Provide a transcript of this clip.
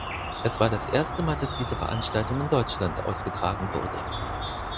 Es war das erste Mal das diese Veranstaltung in Deutschland ausgetragen wurde.